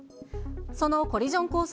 そのコリジョンコース